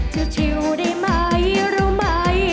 ชิวได้ไหมรู้ไหม